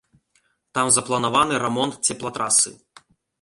Там запланаваны рамонт цеплатрасы.